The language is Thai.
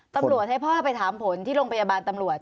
ตำรวจให้พ่อไปถามผลที่โรงพยาบาลตำรวจ